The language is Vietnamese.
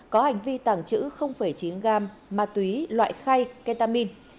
có hành vi tàng chữ chín gam ma túy loại khay ketamin